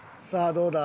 どうだ？